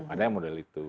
ada yang model itu